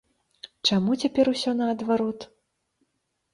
Чаму цяпер усё наадварот?